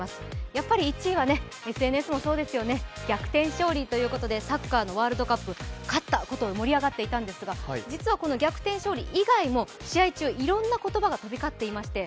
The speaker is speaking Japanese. やっぱり１位はＳＮＳもそうですよね、逆転勝利ということでサッカーのワールドカップ、勝ったことで盛り上がっていたんですが、実はこの逆転勝利以外にも試合中、いろんな言葉が飛び交っていました。